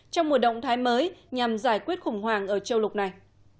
trong một động thái mới nhằm giải quyết khủng hoảng ở châu lục này